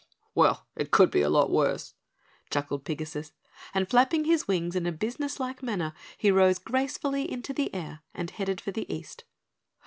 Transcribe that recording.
"Well, it could be a lot worse," chuckled Pigasus, and flapping his wings in a business like manner, he rose gracefully into the air and headed for the east.